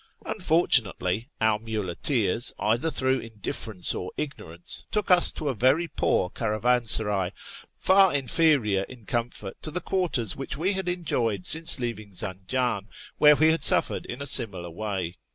Unfortunately, our muleteers, either through indifference or ignorance, took us to a very poor caravansaray, far inferior in comfort to the quarters which we had enjoyed since leaving Zanjan, where we had suffered in a similar way.